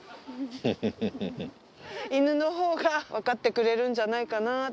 犬のほうが分かってくれるんじゃないかな。